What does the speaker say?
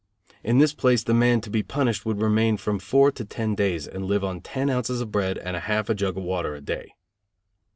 In this place the man to be punished would remain from four to ten days and live on ten ounces of bread and half a jug of water a day.